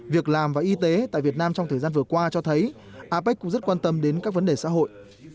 việc làm và y tế tại việt nam trong thời gian vừa qua cho thấy apec cũng rất quan tâm đến các vấn đề xã hội